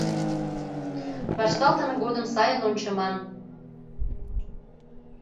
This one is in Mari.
Вашталтыме годым сайын ончыман...